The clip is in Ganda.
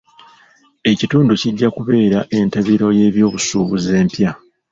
Ekitundu kijja kubeera entabiro y'ebyobusuubuzi empya.